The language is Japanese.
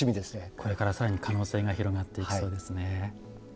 これから更に可能性が広がっていきそうですね。